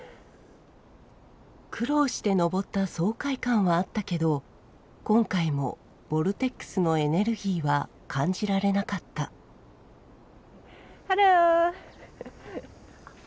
苦労して登った爽快感はあったけど今回もボルテックスのエネルギーは感じられなかったＨｅｌｌｏ！